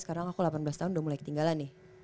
sekarang aku delapan belas tahun udah mulai ketinggalan nih